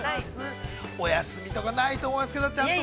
◆お休みとかないと思いますけどちゃんと。